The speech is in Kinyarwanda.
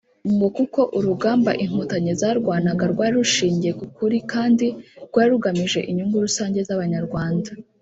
ngo kuko urugamba inkotanyi zarwanaga rwari rushingiye ku kuri kandi rwari rugamije inyungu rusange z’Abanyarwanda